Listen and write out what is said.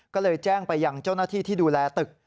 ก็เลยแจ้งไปยังเจ้าหน้าที่ที่ดูแลตึก